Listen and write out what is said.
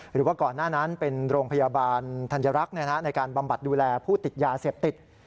หรือว่าก่อนหน้านั้นเป็นโรงพยาบาลธัญรักษ์ในการบำบัดดูแลผู้ติดยาเสพติด